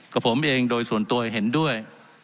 กับผมเองโดยส่วนตัวเห็นด้วย